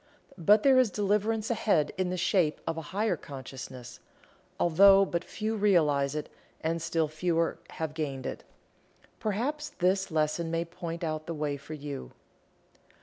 But there is deliverance ahead in the shape of a higher consciousness, although but few realize it and still fewer have gained it. Perhaps this lesson may point out the way for you.